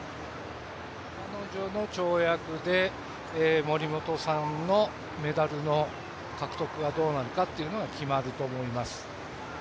彼女の跳躍で森本さんのメダルの獲得がどうなるかっていうのが決まると思います。